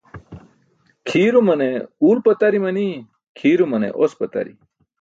Kʰiirumane uwl pʰatari manii, kʰiirumane os pʰatari.